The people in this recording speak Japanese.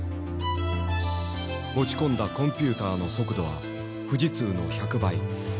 持ち込んだコンピューターの速度は富士通の１００倍。